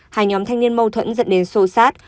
hai nhóm thanh niên mâu thuẫn dẫn đến sô sát